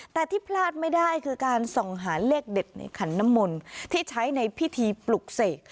แต่ที่พลาดไม่ได้คือการส่องหาเลขเด็ดในขันน้ำมนต์ที่ใช้ในพิธีปลุกเสก